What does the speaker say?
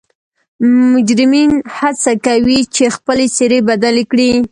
مجرمین حڅه کوي چې خپلې څیرې بدلې کړي